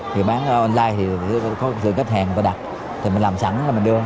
thì bán online thì có sự khách hàng có đặt thì mình làm sẵn là mình đưa